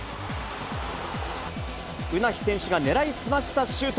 ウナヒ選手が狙い澄ましたシュート。